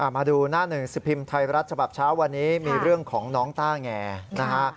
มาดูหน้าหนึ่งสิบพิมพ์ไทยรัฐฉบับเช้าวันนี้มีเรื่องของน้องต้าแงนะฮะ